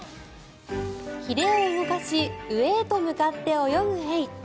ヒレを動かし上へと向かって泳ぐエイ。